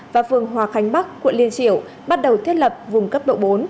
và phường hòa khánh bắc quận liên triểu bắt đầu thiết lập vùng cấp độ bốn